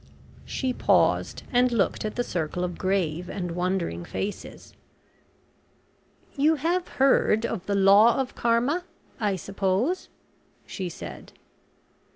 She paused and looked at the circle of grave and wondering faces. "You have heard of the law of Karma, I suppose?" she said.